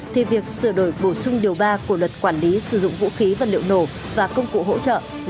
thì việc sửa đổi bổ sung điều ba của luật quản lý sử dụng vũ khí và liệu nổ và công cụ hỗ trợ là rất quan trọng và cần thiết